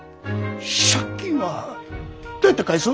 借金はどうやって返す？